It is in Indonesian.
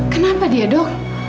kenapa dia dok